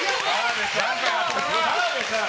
澤部さん！